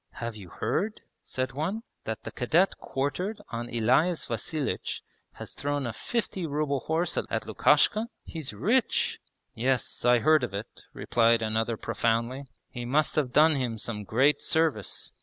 'Have you heard,' said one, 'that the cadet quartered on Elias Vasilich has thrown a fifty ruble horse at Lukashka? He's rich! ...' 'Yes, I heard of it,' replied another profoundly, 'he must have done him some great service.